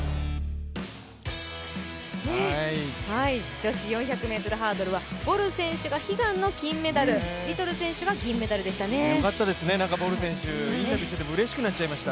女子４００ｍハードルはボル選手が悲願の金メダル。よかったですね、ボル選手、インタビューしていてもうれしくなっちゃいました。